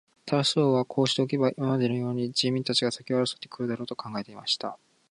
タラス王はこうしておけば、今までのように人民たちが先を争って来るだろう、と考えていました。